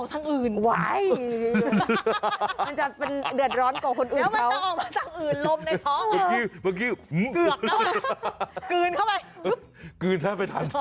แต่อันนี้เป็นรักษณะคือพุ่งป่องเหมือนในพราน